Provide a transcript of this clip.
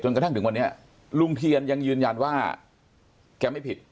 กระทั่งถึงวันนี้ลุงเทียนยังยืนยันว่าแกไม่ผิด